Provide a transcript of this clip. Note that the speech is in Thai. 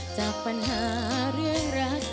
บอกเลย